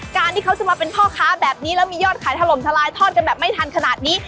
การที่เขาจะมาเป็นพ่อค้าแบบนี้แล้วมียอดขายถล่มทลายทอดกันแบบไม่ทันขนาดนี้